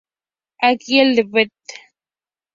Aquí, el Det.